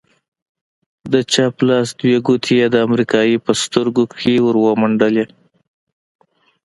د چپ لاس دوې گوتې يې د امريکايي په سترگو کښې ورومنډې.